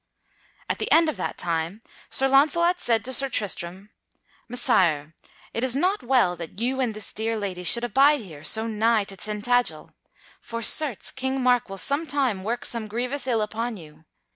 At the end of that time Sir Launcelot said to Sir Tristram: "Messire, it is not well that you and this dear lady should abide here so nigh to Tintagel. For, certes, King Mark will some time work some grievous ill upon you.